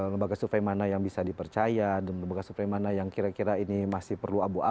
lembaga survei mana yang bisa dipercaya dan lembaga survei mana yang kira kira ini masih perlu abu abu